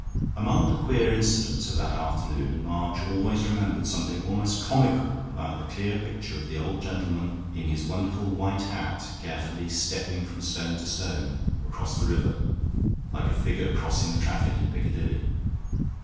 Among the queer incidents of that afternoon, March always remembered something almost comical about the clear picture of the old gentleman in his wonderful white hat carefully stepping from stone to stone across the river, like a figure crossing the traffic in Piccadilly.